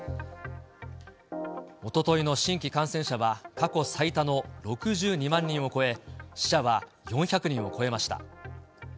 おとといの新規感染者は過去最多の６２万人を超え、死者は４００人を超えました。